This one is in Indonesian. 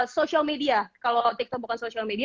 social media kalau tiktok bukan social media